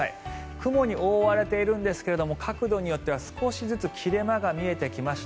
雲に覆われているんですが角度によっては少しずつ切れ間が見えてきました。